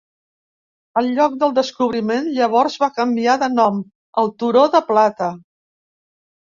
El lloc del descobriment llavors va canviar de nom al turó de plata.